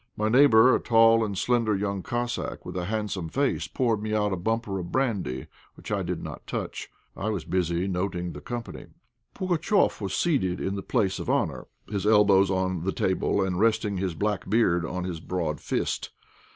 My neighbour, a tall and slender young Cossack, with a handsome face, poured me out a bumper of brandy, which I did not touch. I was busy noting the company. Pugatchéf was seated in the place of honour, his elbows on the table, and resting his black beard on his broad fist.